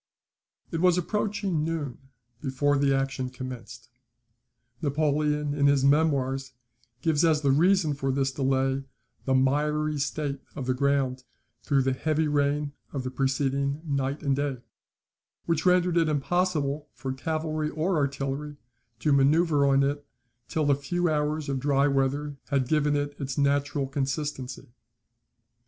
] It was approaching noon before the action commenced. Napoleon, in his Memoirs, gives as the reason for this delay, the miry state of the ground through the heavy rain of the preceding night and day, which rendered it impossible for cavalry or artillery to manoeuvre on it till a few hours of dry weather had given it its natural consistency.